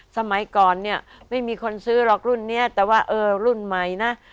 สมัยก่อนเนี่ยไม่มีคนซื้อหรอกรุ่นนี้แต่ว่าเออรุ่นใหม่นะ